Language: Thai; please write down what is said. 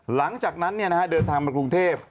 หลังจากนั้นเดินทางมากรุงเทพ